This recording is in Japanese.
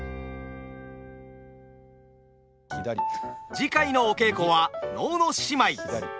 次回のお稽古は能の仕舞。